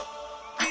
あっ！